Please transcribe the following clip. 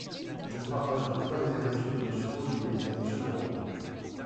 Je ne partage donc pas les inquiétudes de Monsieur Ollier et de Monsieur Laurent.